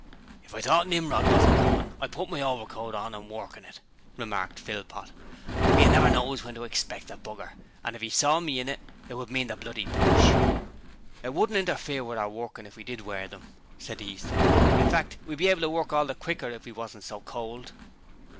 'If I thought Nimrod wasn't comin', I'd put my overcoat on and work in it,' remarked Philpot, 'but you never knows when to expect the b r, and if 'e saw me in it, it would mean the bloody push.' 'It wouldn't interfere with our workin' if we did wear 'em,' said Easton; 'in fact, we'd be able to work all the quicker if we wasn't so cold.'